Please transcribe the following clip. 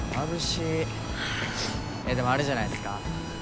いやでもあれじゃないっすか？